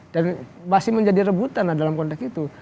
dan masih menjadi rebutan dalam konteks itu